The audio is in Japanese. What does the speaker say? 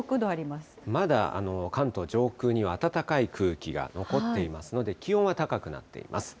まだ関東上空には暖かい空気が残っていますので、気温は高くなっています。